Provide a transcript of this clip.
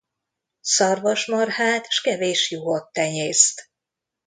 Szarvasmarhát s kevés juhot tenyészt.